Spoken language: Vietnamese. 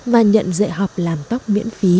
và nhận dạy học làm tóc miễn phí